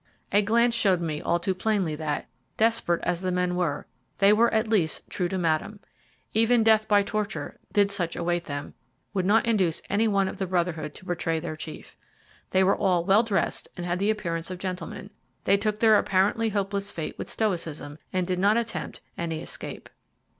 A glance showed me all too plainly that, desperate as the men were, they were at least true to Madame. Even death by torture, did such await them, would not induce any one of the Brotherhood to betray their chief. They were all well dressed, and had the appearance of gentlemen. They took their apparently hopeless fate with stoicism, and did not attempt any escape.